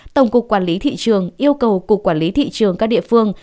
tổng cục quản lý thị trường yêu cầu cục quản lý thị trường các địa phương